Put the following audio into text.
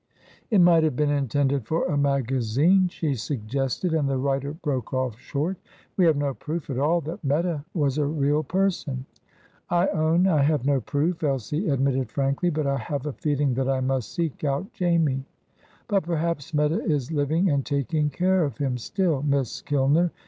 "It might have been intended for a magazine," she suggested, "and the writer broke off short. We have no proof at all that Meta was a real person." "I own I have no proof," Elsie admitted frankly. "But I have a feeling that I must seek out Jamie." "But perhaps Meta is living and taking care of him still, Miss Kilner.